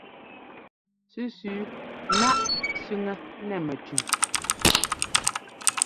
Sẅísẅí náʼ sẅiŋɛ́ nɛ́ mɛtʉʉ.